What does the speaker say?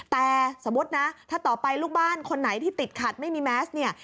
แต่สมมุตินะถ้าต่อไปลูกบ้านคนไหนที่ติดขัดไม่มีแมสเนี่ย